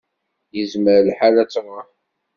Izmer lḥal ad d-tṛuḥ.